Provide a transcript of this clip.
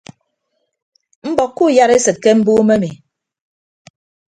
Mbọk kuuyadesịd ke mbuumo emi.